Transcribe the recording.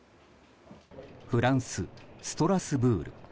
フランス・ストラスブール。